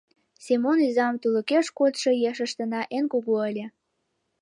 — Семон изам тулыкеш кодшо ешыштына эн кугу ыле.